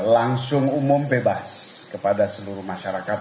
langsung umum bebas kepada seluruh masyarakat